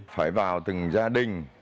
phải vào từng gia đình